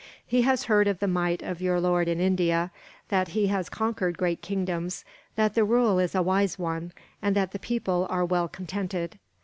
He has heard of the might of your lord in India, that he has conquered great kingdoms, that the rule is a wise one, and that the people are well contented.